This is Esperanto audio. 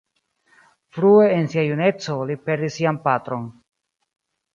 Frue en sia juneco li perdis sian patron.